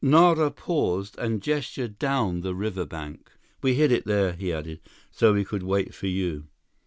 Nara paused and gestured down the riverbank. "We hid it there," he added, "so we could wait for you."